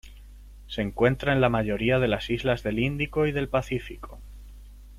Se encuentra en la mayoría de las islas del Índico y del Pacífico.